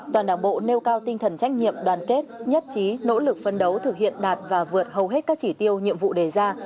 toàn đảng bộ nêu cao tinh thần trách nhiệm đoàn kết nhất trí nỗ lực phân đấu thực hiện đạt và vượt hầu hết các chỉ tiêu nhiệm vụ đề ra